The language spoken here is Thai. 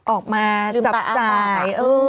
ออกมาจับจ่าย